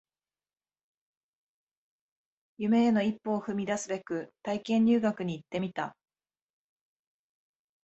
夢への一歩を踏み出すべく体験入学に行ってみた